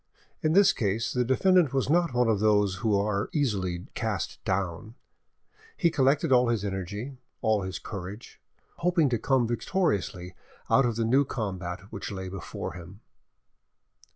In this case the defendant was not one of those who are easily cast down; he collected all his energy, all his courage, hoping to come victoriously out of the new combat which lay before him.